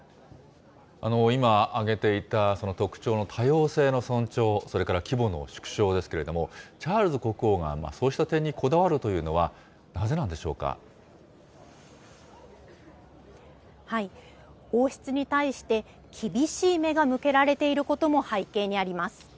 今挙げていた、その特徴の多様性の尊重、それから規模の縮小ですけれども、チャールズ国王がそうした点にこだわるというのは、なぜなんでし王室に対して、厳しい目が向けられていることも背景にあります。